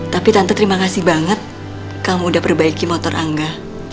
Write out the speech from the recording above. tapi tante terima kasih banget kamu udah perbaiki motor angga